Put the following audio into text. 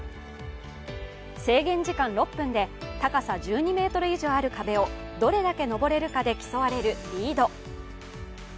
制限時間６分で高さ１２ｍ以上ある壁をどれだけ登れるかで競われるリード。